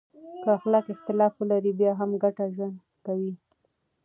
که خلګ اختلاف ولري بیا هم ګډ ژوند کوي.